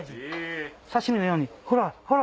刺身のようにほらほら！